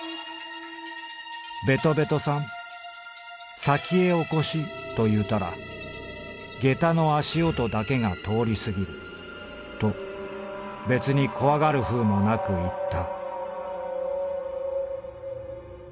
「『べとべとさん先へお越しというたらゲタの足音だけが通りすぎる』とべつにこわがるふうもなくいった」。